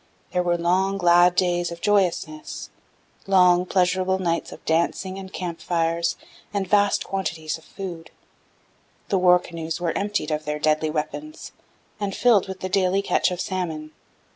There were long, glad days of joyousness, long, pleasurable nights of dancing and camp fires, and vast quantities of food. The war canoes were emptied of their deadly weapons and filled with the daily catch of salmon.